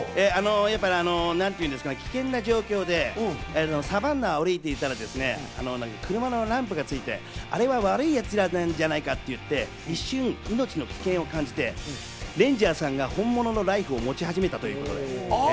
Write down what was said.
危険な状況でサバンナを歩いていたら車のランプがついて、あれは悪いやつらなんじゃないかって言って、一瞬、命の危険を感じてレンジャーさんが本物のライフルを持ち始めたという。